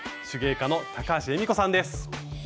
手芸家の高橋恵美子さんです。